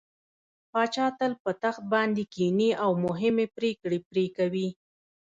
پاچا تل په تخت باندې کيني او مهمې پرېکړې پرې کوي.